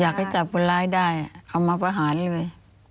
อยากให้จับคนร้ายได้เขามาประหารเลย